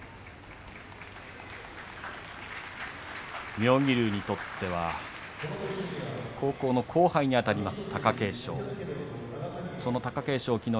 妙義龍にとっては高校の後輩にあたります